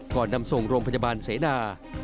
ก่อนนำส่งโรงพยาบาลเสนา